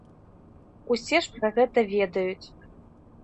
Усе ж пра гэта ведаюць.